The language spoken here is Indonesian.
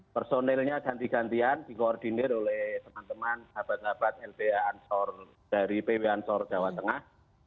personelnya ganti gantian di koordinir oleh teman teman sahabat sahabat lbh ansor dari pw ansor jawa tengah